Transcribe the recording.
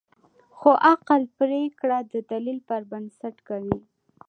خو عقل پرېکړه د دلیل پر بنسټ کوي.